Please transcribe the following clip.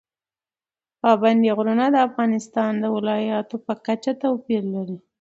پابندي غرونه د افغانستان د ولایاتو په کچه توپیر لري.